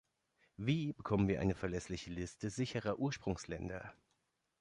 Wie bekommen wir eine verlässliche Liste sicherer Ursprungsländer?